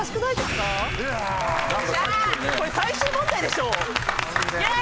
今の最終問題でしょ。